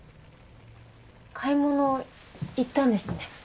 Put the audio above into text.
買い物行ったんですね。